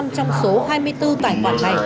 năm trong số hai mươi bốn tài khoản này